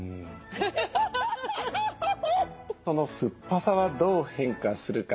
その酸っぱさはどう変化するか。